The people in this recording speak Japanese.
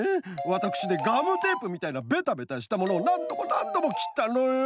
わたくしでガムテープみたいなベタベタしたものをなんどもなんどもきったのよ！